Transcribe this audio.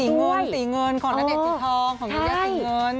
๔ค่ะสีเงินสีเงินของณเดชน์คือทอง